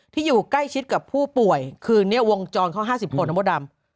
ที่อยู่ใกล้ชิดกับผู้ป่วยคือเนี่ยวงจรเขา๕๐คนน้ำมัวดำ